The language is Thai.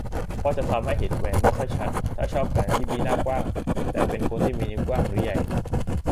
เพราะจะทำให้เห็นแหวนไม่ค่อยชัด ถ้าชอบแหวนที่มีหน้ากว้าง แต่เป็นคนที่มีนิ้วกว้างหรือใหญ่